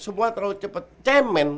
semua terlalu cepat cemen